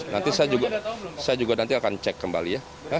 nanti saya juga akan cek kembali